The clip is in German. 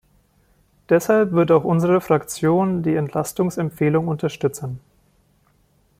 Deshalb wird auch unsere Fraktion die Entlastungsempfehlung unterstützen.